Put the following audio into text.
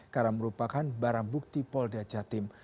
karena merupakan barang bukti polda jatim